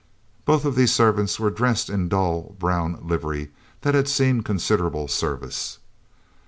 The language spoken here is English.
Both of these servants were dressed in dull brown livery that had seen considerable service.